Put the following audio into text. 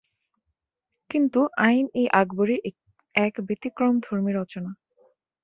কিন্তু আইন-ই-আকবরী এক ব্যতিক্রমধর্মী রচনা।